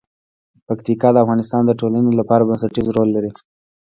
پکتیکا د افغانستان د ټولنې لپاره بنسټيز رول لري.